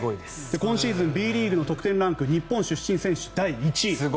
今シーズンＢリーグの得点ランク日本出身選手第１位。